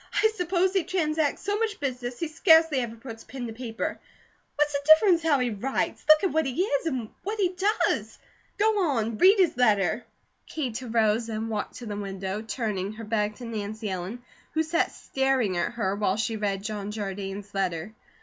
"I suppose he transacts so much business he scarcely ever puts pen to paper. What's the difference how he writes? Look at what he is and what he does! Go on and read his letter." Kate arose and walked to the window, turning her back to Nancy Ellen, who sat staring at her, while she read John Jardine's letter.